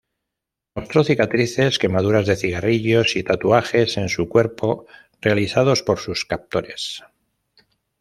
Mostró cicatrices, quemaduras de cigarrillos y tatuajes en su cuerpo realizados por sus captores.